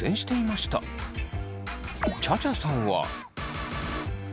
ちゃちゃさんは？